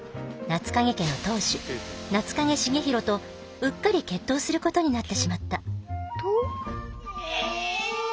夏影家の当主夏影重弘とうっかり決闘することになってしまったえ！？